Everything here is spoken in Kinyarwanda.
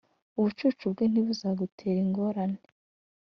ubucucu bwe ntibuzagutere ingorane.